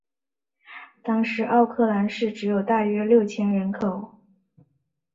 当时奥克兰市只有大约六千人口。